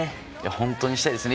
本当にしたいですね。